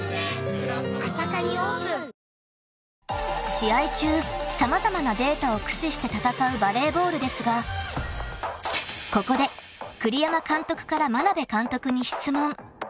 ［試合中様々なデータを駆使して戦うバレーボールですがここで栗山監督から眞鍋監督に質問］